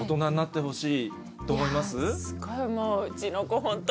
すごいもううちの子ホント。